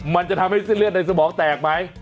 มันจะทำให้เส้นเลือดในสมองแตกไหม